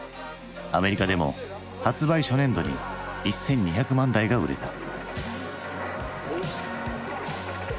アメリカでも発売初年度に１，２００万台が売れた。